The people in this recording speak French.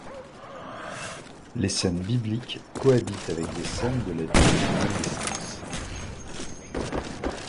Les scènes bibliques cohabitent avec des scènes de la vie de la Renaissance.